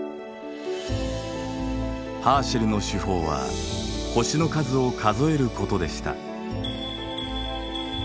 ハーシェルの手法は星の数を数えることでした。